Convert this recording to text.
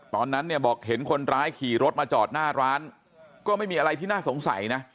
ตอนนั้นเนี่ยบอกเห็นคนร้ายขี่รถมาจอดหน้าร้านก็ไม่มีอะไรที่น่าสงสัยนะ